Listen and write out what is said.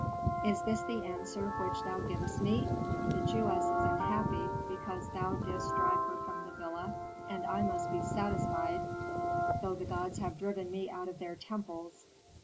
"Is this the answer which thou givest me? The Jewess is unhappy because thou didst drive her from the villa, and I must be satisfied, though the gods have driven me out of their temples.